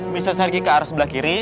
mister sergi ke arah sebelah kiri